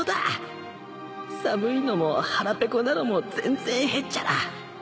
寒いのも腹ぺこなのも全然へっちゃら